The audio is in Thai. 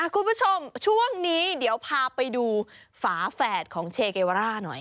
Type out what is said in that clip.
คุณผู้ชมช่วงนี้เดี๋ยวพาไปดูฝาแฝดของเชเกวาร่าหน่อย